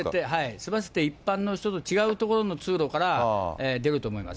済ませて、一般の人と違うところの通路から、出ると思います。